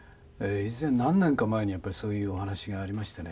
以前何年か前にやっぱりそういうお話がありましてね。